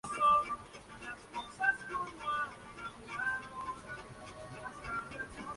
Finalmente, en los clubes privados de fumadores no se permitirá la entrada de menores.